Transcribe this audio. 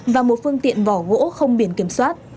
và một phương tiện vỏ gỗ không biển kiểm soát